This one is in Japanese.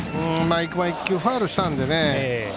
１球、ファウルしたのでね。